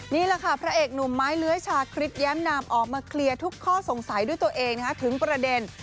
นี่แหละค่ะพระเอกหนุ่มไม้เลื้อยชาคริสแย้มนามออกมาเคลียร์ทุกข้อสงสัยด้วยตัวเองถึงประเด็น